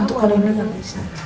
untuk alihnya gak bisa